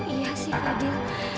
iya sih fadil